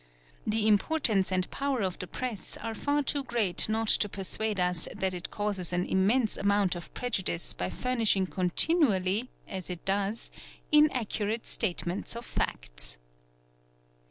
The importance and power of the press are far too great not ) pursuade us that it causes an immense amount of prejudice by furnish g continually, as it does, inaccurate statements of facts.